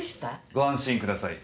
ご安心ください